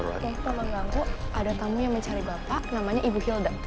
oke tolong bantu ada tamu yang mencari bapak namanya ibu hilda